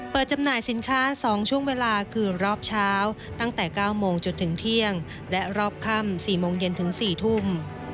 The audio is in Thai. จำหน่ายสินค้า๒ช่วงเวลาคือรอบเช้าตั้งแต่๙โมงจนถึงเที่ยงและรอบค่ำ๔โมงเย็นถึง๔ทุ่ม